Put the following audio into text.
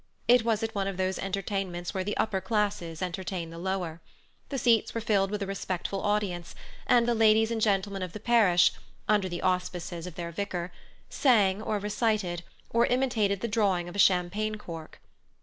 It was at one of those entertainments where the upper classes entertain the lower. The seats were filled with a respectful audience, and the ladies and gentlemen of the parish, under the auspices of their vicar, sang, or recited, or imitated the drawing of a champagne cork.